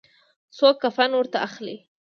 څوک کفن نه ورته اخلي.